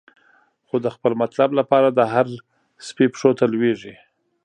خو د خپل مطلب لپاره، د هر سپی پښو ته لویږی